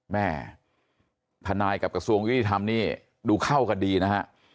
แม่ทนายกับกระทรวงยุติธรรมนี่ดูเข้ากันดีนะฮะ